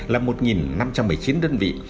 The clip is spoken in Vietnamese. là một năm trăm bảy mươi chín đơn vị